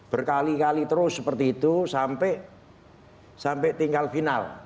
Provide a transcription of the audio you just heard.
berkali kali terus seperti itu sampai tinggal final